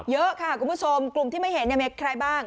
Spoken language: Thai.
เยอะค่ะคุณผู้ชมกลุ่มที่ไม่เห็นมีใครบ้าง